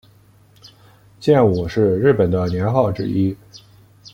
建武是日本的年号之一。